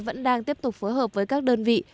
vẫn đang tiếp tục phối hợp với các đơn vị